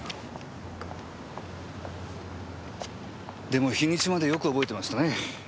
でも日にちまでよく覚えてましたね。